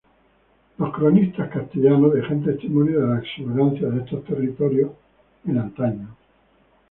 Los cronistas castellanos dejan testimonio de la exuberancia de estos territorios en antaño.